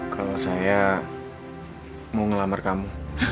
kalau saya mau ngelamar kamu